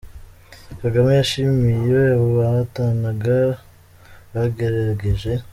Kagame yashimiye abo bahatanaga ‘bagerageje’.